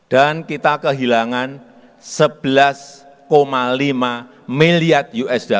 dan kita kehilangan sebelas lima miliar usd